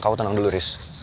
kau tenang dulu riss